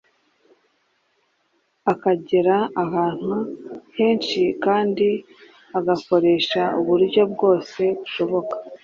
akagera ahantu henshi kandi agakoresha uburyo bwose bushoboka